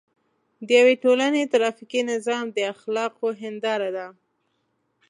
د یوې ټولنې ټرافیکي نظام د اخلاقو هنداره ده.